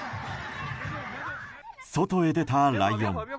外へ出たライオン。